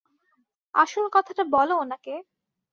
আসল কথাটা বল উনাকে!